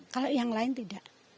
kalau yang lain tidak